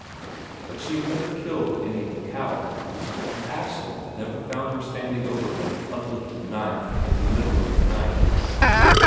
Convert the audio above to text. But she never killed any of the cattle, and Axel never found her standing over him with uplifted knife in the middle of the night.